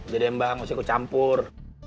jadi emak harus aku campur